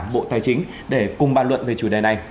bộ tài chính để cùng bàn luận về chủ đề này